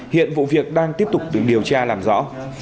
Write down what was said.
hiện vụ việc đang tiếp tục được điều tra làm rõ